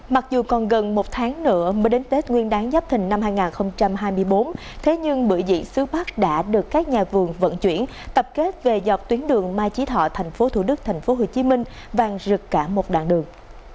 mặc dù còn gần một tháng nữa mới đến tết nguyên đáng dắp thành năm hai nghìn hai mươi bốn thế nhưng bữa diễn xứ bắc đã được các nhà vườn vận chuyển tập kết về dọc tuyến đường mai chí thọ thành phố thủ đức thành phố hồ chí minh vàng rực cả một đoạn đường